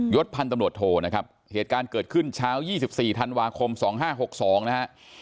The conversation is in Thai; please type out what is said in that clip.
ศพันธ์ตำรวจโทนะครับเหตุการณ์เกิดขึ้นเช้า๒๔ธันวาคม๒๕๖๒นะฮะ